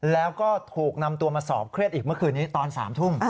แล้วก็ถูกนำตัวมาสอบเครียดอีกเมื่อคืนนี้ตอน๓ทุ่ม